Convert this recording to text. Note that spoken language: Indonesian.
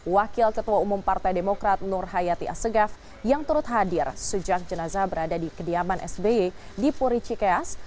wakil ketua umum partai demokrat nur hayati asegaf yang turut hadir sejak jenazah berada di kediaman sby di puricikeas